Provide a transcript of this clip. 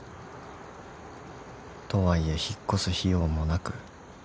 ［とはいえ引っ越す費用もなく］